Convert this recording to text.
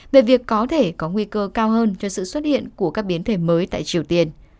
về việc có thể có nguy cơ cao hơn cho sự xuất hiện của các biến thể mới tại triều tiên